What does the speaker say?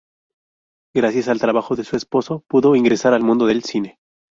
Gracias al trabajo de su esposo, pudo ingresar al mundo del cine.